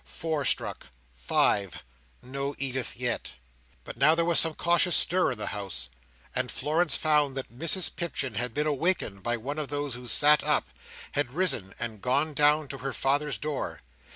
Four struck! Five! No Edith yet. But now there was some cautious stir in the house; and Florence found that Mrs Pipchin had been awakened by one of those who sat up, had risen and had gone down to her father's door.